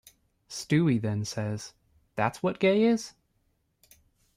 '" Stewie then says, "That's what gay is?